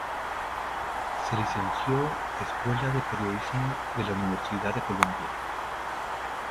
Se licenció Escuela de Periodismo de la Universidad de Columbia.